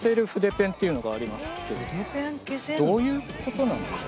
どういうことなの？